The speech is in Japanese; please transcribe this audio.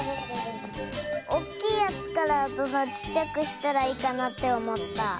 おっきいやつからどんどんちっちゃくしたらいいかなっておもった。